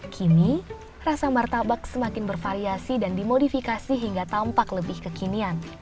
kini rasa martabak semakin bervariasi dan dimodifikasi hingga tampak lebih kekinian